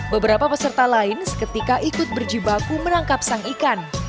beberapa peserta lain seketika ikut berjibaku menangkap sang ikan